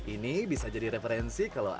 ini bisa jadi referensi kalau